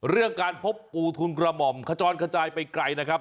เรื่องการพบปูทุนกระหม่อมขจรขจายไปไกลนะครับ